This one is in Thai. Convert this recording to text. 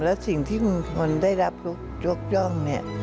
และสิ่งที่คุณกัมพลได้รับรกย่อง